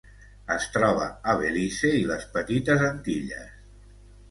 Es troba a Belize i les Petites Antilles.